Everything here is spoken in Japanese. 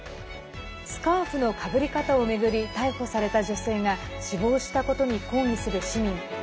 スカーフのかぶり方を巡り逮捕された女性が死亡したことに抗議する市民。